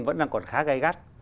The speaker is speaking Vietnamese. vẫn đang còn khá gai gắt